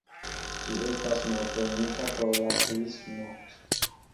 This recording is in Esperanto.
Ĝi estas malfermita por la turismo.